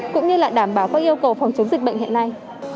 cũng như là đảm bảo các yêu cầu phòng chống dịch bệnh hiện nay